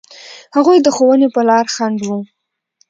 هغوی د ښوونې په لاره خنډ و.